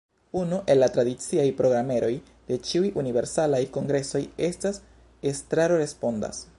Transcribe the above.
Unu el la tradiciaj programeroj de ĉiuj Universalaj Kongresoj estas ”Estraro respondas”.